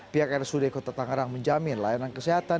pihak rsu di kota tangerang menjamin layanan kesehatan